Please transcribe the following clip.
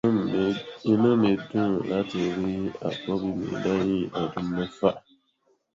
Inú mi dùn láti rí àkọ́bí mi lẹ́yìn ọdún mẹ́fà.